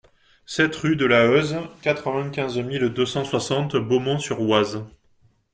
sept rue de la Heuse, quatre-vingt-quinze mille deux cent soixante Beaumont-sur-Oise